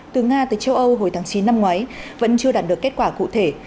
từ nga tới châu âu hồi tháng chín năm ngoái vẫn chưa đạt được kết quả cụ thể